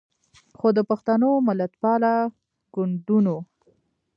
خو د پښتنو ملتپاله ګوندونو